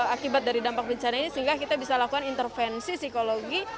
akibat dari dampak bencana ini sehingga kita bisa lakukan intervensi psikologi